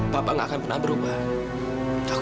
bapak akan berubah